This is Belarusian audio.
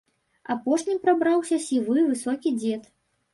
Апошнім прабраўся сівы, высокі дзед.